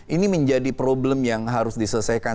ini menjadi problem yang harus diselesaikan